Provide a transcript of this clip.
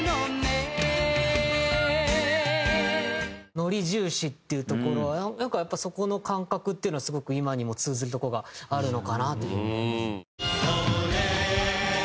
ノリ重視っていうところなんかやっぱそこの感覚っていうのはすごく今にも通ずるとこがあるのかなって。